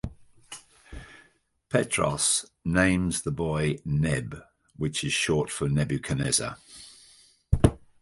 Petros names the boy Neb, which is short for Nebuchadnezzar.